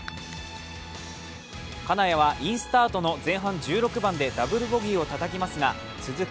金谷はインスタートの前半１６番でダブルボギーをたたきますが続く